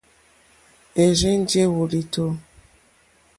Érzènjé wòlìtó.